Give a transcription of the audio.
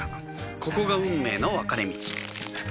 ここが運命の分かれ道